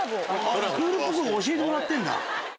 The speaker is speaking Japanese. クールポコ。が教えてもらってんだ。